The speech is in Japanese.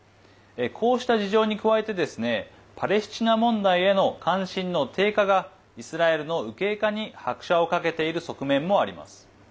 こうした事情に加えてパレスチナ問題への関心の低下がイスラエルの右傾化に拍車をかけている側面もあります。